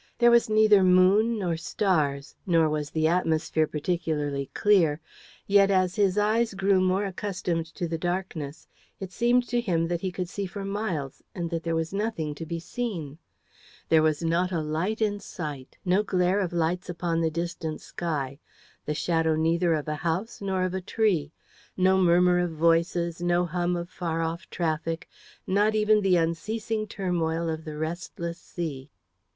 There was neither moon nor stars, nor was the atmosphere particularly clear; yet, as his eyes grew more accustomed to the darkness, it seemed to him that he could see for miles, and that there was nothing to be seen. There was not a light in sight; no glare of lights upon the distant sky; the shadow neither of a house nor of a tree. No murmur of voices; no hum of far off traffic; not even the unceasing turmoil of the restless sea.